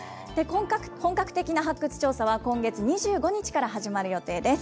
本格的な発掘調査は今月２５日から始まる予定です。